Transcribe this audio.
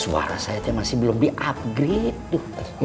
suara saya masih belum di upgrade